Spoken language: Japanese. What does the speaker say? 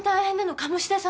鴨志田さん